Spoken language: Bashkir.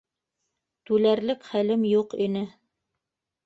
—Түләрлек хәлем юҡ ине.